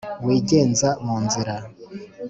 wigenza mu nzira